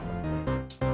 baik baik baik